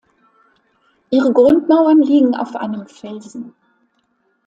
Ihre Grundmauern liegen auf einem Felsen.